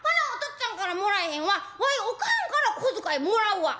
っつぁんからもらえへんわわいお母はんから小遣いもらうわ」。